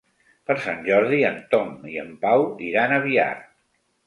Per Sant Jordi en Tom i en Pau iran a Biar.